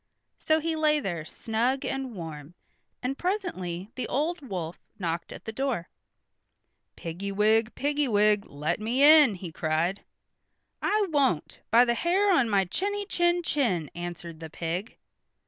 So he lay there snug and warm, and presently the old wolf knocked at the door. "Piggy wig, piggy wig, let me in!" he cried. "I won't, by the hair on my chinny chin chin," answered the pig.